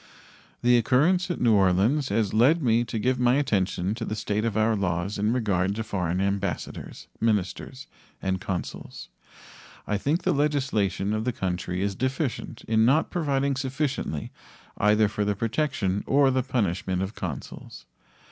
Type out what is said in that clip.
The occurrence at New Orleans has led me to give my attention to the state of our laws in regard to foreign ambassadors, ministers, and consuls. I think the legislation of the country is deficient in not providing sufficiently either for the protection or the punishment of consuls.